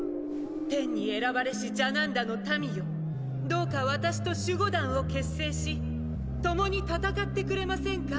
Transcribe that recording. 天に選ばれしジャナンダの民よどうか私と守護団を結成し共に戦ってくれませんか。